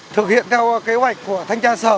thực hiện theo kế hoạch của thanh trang